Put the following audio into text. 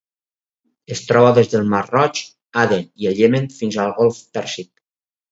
Es troba des del Mar Roig, Aden i el Iemen fins al Golf Pèrsic.